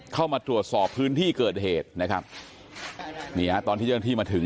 เข้ามาตรวจสอบพื้นที่เกิดเหตุนะครับนี่ฮะตอนที่เจ้าหน้าที่มาถึง